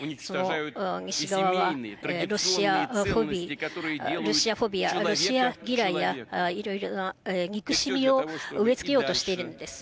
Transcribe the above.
西側はロシアやロシア嫌いや、いろいろな憎しみを植えつけようとしているのです。